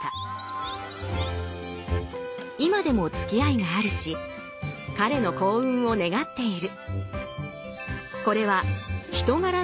今でもつきあいがあるし彼の幸運を願っている。